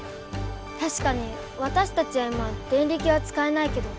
たしかにわたしたちは今デンリキはつかえないけど。